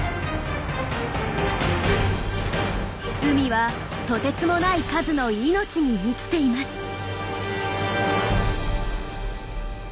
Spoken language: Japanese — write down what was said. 海はとてつもない数の命に満ちています。